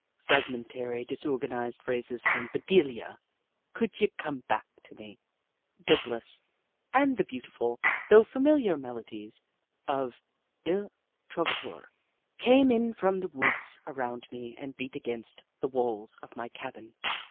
Fragmentary, disorgan ised phrases from Bedelia, Could Ye Come Back to Me, Douglas, and the beautiful, though familiar melodies from // Trovatore, came in from the woods around me and beat against the walls of my cabin.